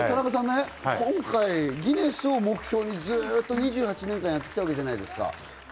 今回ギネスを目標に２８年間やってきたわけじゃないですか。